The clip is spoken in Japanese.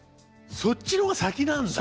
そっちの方が先なんだ。